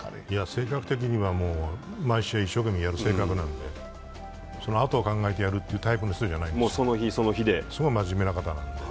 性格的には毎週一生懸命やる性格なので、そのあとを考えてやるというタイプの人じゃないですよね、すごい真面目な方なので。